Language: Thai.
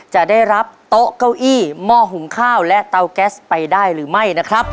จะได้รับโต๊ะเก้าอี้หม้อหุงข้าวและเตาแก๊สไปได้หรือไม่นะครับ